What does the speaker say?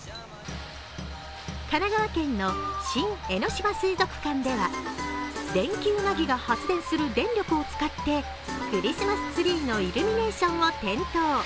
神奈川県の新江ノ島水族館ではデンキウナギが発電する電力を使ってクリスマスツリーのイルミネーションを点灯。